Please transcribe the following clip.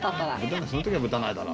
そのときはぶたないだろう。